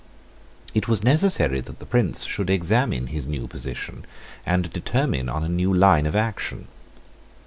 It was necessary that the Prince should examine his new position, and determine on a new line of action.